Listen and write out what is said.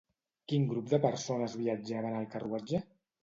Quin grup de persones viatjava en el carruatge?